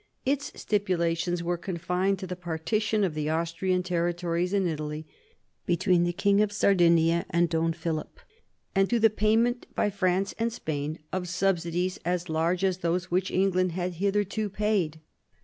Its stipulations were confined to the partition of the Austrian territories in Italy between the King of Sardinia and Don Philip, and to the payment by France and Spain of subsidies as large as those which England had hitherto paid.